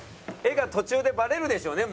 画が途中でバレるでしょうね